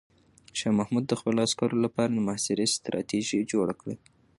شاه محمود د خپلو عسکرو لپاره د محاصرې ستراتیژي جوړه کړه.